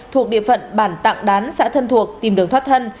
thuộc địa phận bản tạng đán xã thân thuộc tìm đường thoát thân